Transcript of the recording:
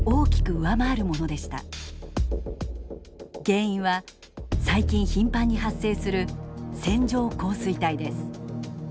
原因は最近頻繁に発生する線状降水帯です。